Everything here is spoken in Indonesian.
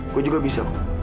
gua juga bisa